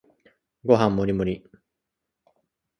ご飯もりもり